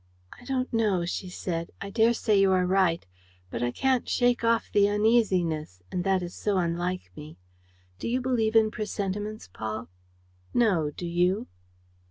"I don't know," she said. "I daresay you are right. ... But I can't shake off the uneasiness; and that is so unlike me. Do you believe in presentiments, Paul?" "No, do you?"